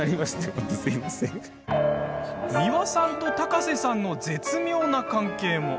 美輪さんと高瀬さんの絶妙な関係も。